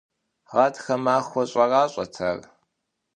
Гъатхэ махуэ щӏэращӏэт ар.